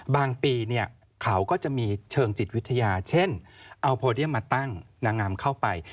ปีเขาก็จะมีเชิงจิตวิทยาเช่นเอาโพเดียมมาตั้งนางงามเข้าไป